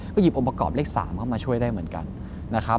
ก็หยิบองค์ประกอบเลข๓เข้ามาช่วยได้เหมือนกันนะครับ